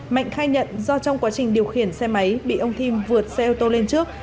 mạnh khai nhận do trong quá trình điều khiển xe máy bị ông thim vượt xe ô tô lên trước